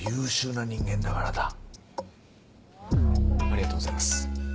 ありがとうございます。